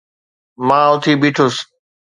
مان اٿي بيٺس